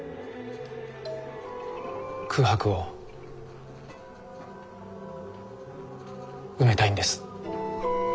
空白を埋めたいんです。